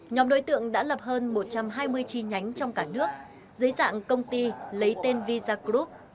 nhóm đối tượng đã lập hơn một trăm hai mươi chi nhánh trong cả nước dưới dạng công ty lấy tên visa group